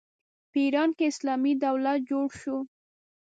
په ایران کې اسلامي دولت جوړ شو.